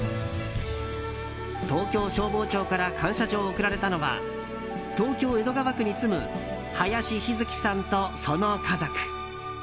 東京消防庁から感謝状を贈られたのは東京・江戸川区に住む林陽月さんと、その家族。